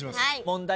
問題